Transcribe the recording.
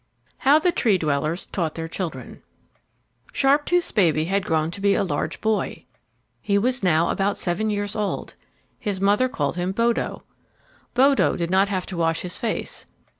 How the Tree dwellers Taught their Children Sharptooth's baby had grown to be a large boy. He was now about seven years old. His mother called him Bodo. Bodo did not have to wash his face.